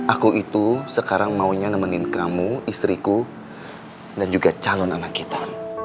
aku itu sekarang maunya nemenin kamu istriku dan juga calon anak kita